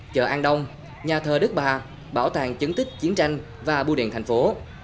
chợ an đông nhà thờ đức bà bảo tàng chứng tích chiến tranh và bưu điện thành phố